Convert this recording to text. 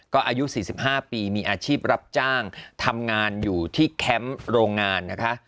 ก็อายุ๔๕ปีมีอาชีพรับจ้างทำงานอยู่ที่แคมป์โรงงานนะคะ